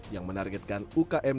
yang menargetkan ukm